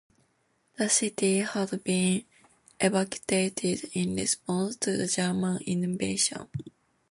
The city had been evacuated in response to the German invasion.